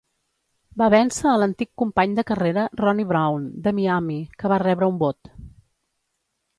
Va vèncer a l'antic company de carrera Ronnie Brown de Miami, que va rebre un vot.